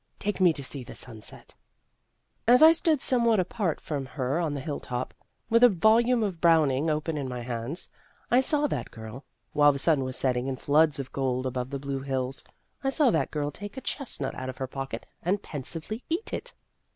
Take me to see the sunset." That Athletic Girl 203 As I stood somewhat apart from her on the hilltop, with a volume of Browning open in my hands, I saw that girl while the sun was setting in floods of gold above the blue hills I saw that girl take a chest nut out of her pocket, and pensively eat it